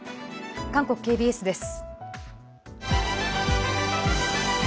韓国ＫＢＳです。